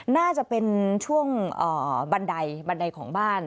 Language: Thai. น่าจะเป็นช่วงบันไดบันไดของบ้าน